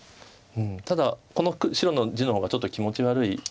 ただこの白の地の方がちょっと気持ち悪い。